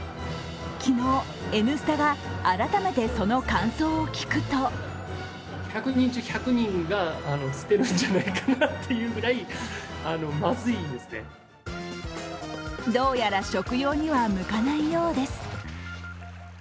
昨日、「Ｎスタ」が改めてその感想を聞くとどうやら食用には向かないようです。